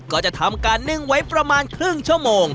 ก็จะทำการนึ่งไว้ประมาณครึ่งชั่วโมง